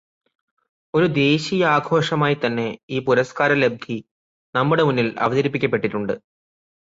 ഒരു ദേശീയാഘോഷമായിത്തന്നെ ഈ പുരസ്കാരലബ്ധി നമ്മുടെ മുന്നിൽ അവതരിപ്പിക്കപ്പെട്ടിട്ടുണ്ട്.